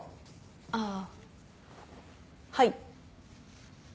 ああはい。